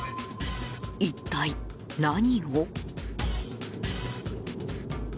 一体、何を？